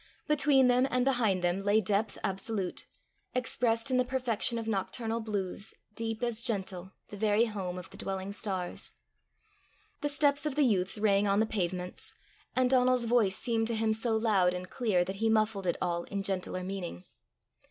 Between them and behind them lay depth absolute, expressed in the perfection of nocturnal blues, deep as gentle, the very home of the dwelling stars. The steps of the youths rang on the pavements, and Donal's voice seemed to him so loud and clear that he muffled it all in gentler meaning.